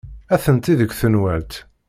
Atenti deg tenwalt.